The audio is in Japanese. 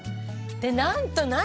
でなんと何？